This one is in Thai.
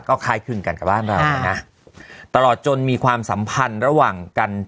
ก็คล้ายครึ่งกันกับบ้านเรานะตลอดจนมีความสัมพันธ์ระหว่างกัน